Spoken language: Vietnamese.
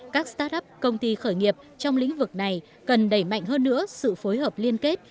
các start up công ty khởi nghiệp trong lĩnh vực này cần đẩy mạnh hơn nữa sự phối hợp liên kết